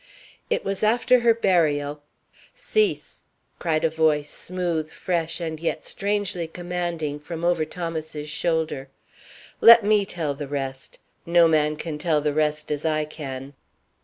It was after her burial " "Cease!" cried a voice, smooth, fresh, and yet strangely commanding, from over Thomas's shoulder. "Let me tell the rest. No man can tell the rest as I can."